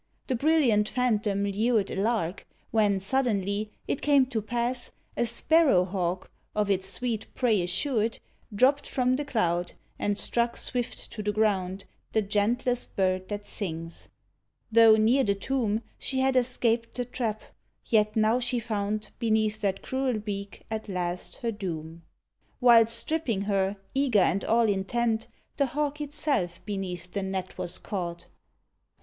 The brilliant phantom lured A Lark; when, suddenly, it came to pass A Sparrow Hawk, of its sweet prey assured, Dropped from the cloud, and struck swift to the ground The gentlest bird that sings; though near the tomb, She had escaped the trap; yet now she found Beneath that cruel beak at last her doom. Whilst stripping her, eager and all intent, The Hawk itself beneath the net was caught.